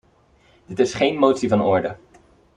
Dit is geen motie van orde.